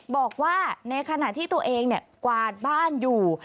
บอกว่าในขณะที่ตัวเองกวาดบ้านอยู่